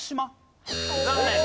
残念！